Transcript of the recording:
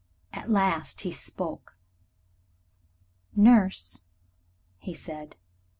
At last he spoke. "Nurse," said he.